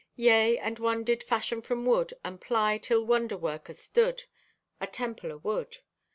Yea, and one did fashion from wood, and ply till wonderwork astood, a temple o' wood.